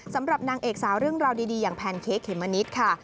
สำหรับนางเอกสาวเรื่องราวดีอย่างแพนเค้กเขมมะนิดค่ะ